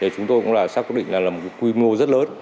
chúng tôi cũng sắp quyết định là một quy mô rất lớn